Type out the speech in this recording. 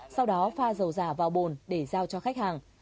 sau đó pha dầu giả vào bồn để giao cho khách hàng